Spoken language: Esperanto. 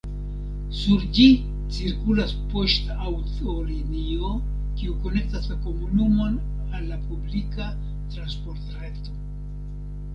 Sur ĝi cirkulas poŝtaŭtolinio, kiu konektas la komunumon al la publika transportreto.